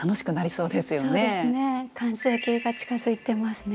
そうですね完成形が近づいてますね。